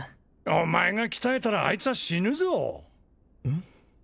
お前が鍛えたらあいつは死ぬぞうん？